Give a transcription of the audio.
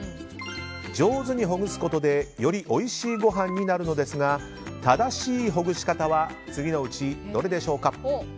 上手にほぐすことでよりおいしいご飯になるのですが正しいほぐし方は次のうちどれでしょうか。